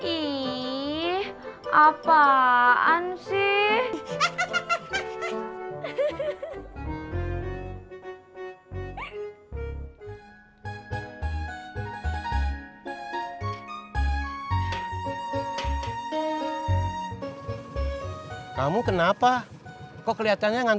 ih apaan sih